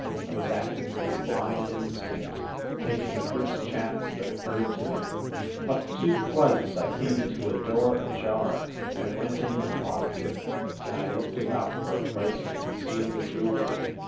... I was acting through blind in stinct ... taking the first chance that occurred to me. ... Up two flights, and I came to a door ajar. I went in and locked it. Then I looked about for a place to conceal the jewelry.